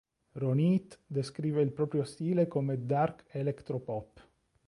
Roniit descrive il proprio stile come "Dark Electro Pop".